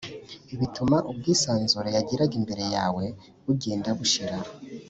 bituma ubwisanzure yagiraga imbere yawe bugenda bushira